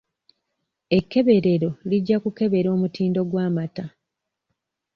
Ekkeberero lijja kukebera omutindo gw'amata.